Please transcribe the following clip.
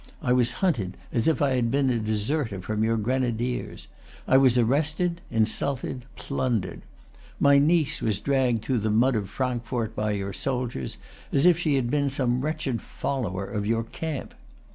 I was hunted as if I had been a deserter from your grenadiers. I was arrested, insulted, plundered. My niece was dragged through the mud of Frankfort by your soldiers, as if she had been some wretched follower of your camp.